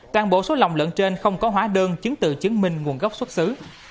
toàn bộ số lòng lợn trên không có hóa đơn chứng tự chứng minh nguồn gốc xuất xứ